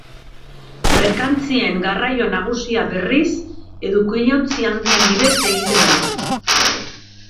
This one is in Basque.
Merkantzien garraio nagusia, berriz, edukiontzi handien bidez egiten da.